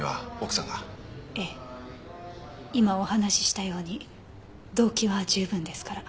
ええ今お話ししたように動機は十分ですから。